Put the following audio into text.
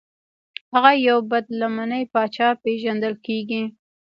هغه یو بد لمنی پاچا پیژندل کیږي.